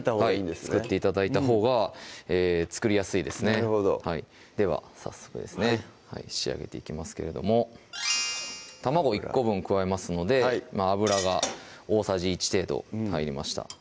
作って頂いたほうが作りやすいですねでは早速ですね仕上げていきますけれども卵１個分加えますので油が大さじ１程度入りました